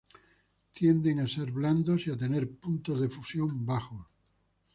Tienden a ser blandos y a tener puntos de fusión bajos.